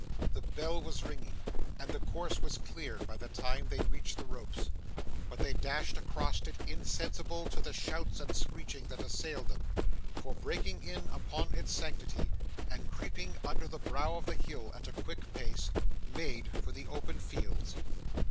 The bell was ringing and the course was cleared by the time they reached the ropes, but they dashed across it insensible to the shouts and screeching that assailed them for breaking in upon its sanctity, and creeping under the brow of the hill at a quick pace, made for the open fields.